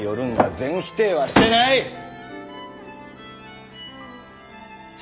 全否定はしてないッ！